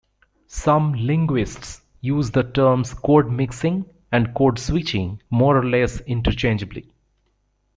Some linguists use the terms code-mixing and code-switching more or less interchangeably.